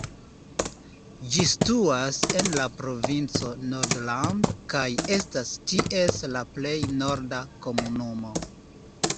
Ĝi situas en la provinco Nordland kaj estas ties la plej norda komunumo.